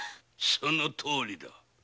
そのとおりだ。